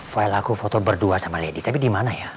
file aku foto berdua sama lady tapi dimana ya